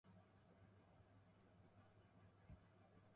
南アフリカの司法首都はブルームフォンテーンである